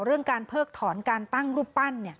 เรื่องการเพิกถอนการตั้งรูปปั้น